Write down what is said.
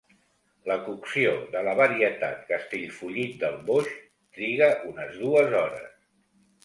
La cocció de la varietat Castellfollit del Boix triga unes dues hores.